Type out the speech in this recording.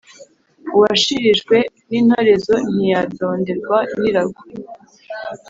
Uwashirijwe n’intorezo ntiyadonderwa n’irago.